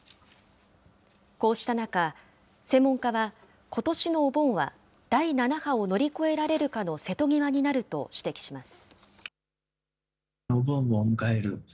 こうした中、専門家は、ことしのお盆は、第７波を乗り越えられるかの瀬戸際になると指摘します。